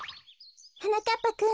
はなかっぱくん。